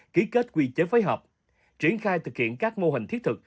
ký kết quy chế phối hợp triển khai thực hiện các mô hình thiết thực